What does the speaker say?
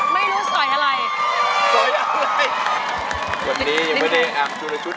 วันนี้สวยไหมคะ